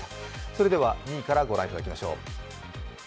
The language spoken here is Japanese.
それでは２位からご覧いただきましょう。